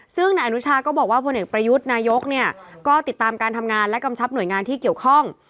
ซึ่งนายอนุชาก็บอกว่าพลเอกประยุทธ์นายกเนี่ยก็ติดตามการทำงานและกำชับหน่วยงานที่เกี่ยวข้อง